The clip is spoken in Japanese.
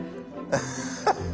アッハハ。